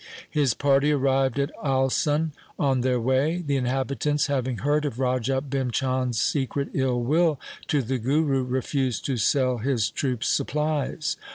His party arrived at Alsun on their way. The inhabitants, having heard of Raja Bhim Chand' s secret ill will to the Guru, refused to sell his troops supplies.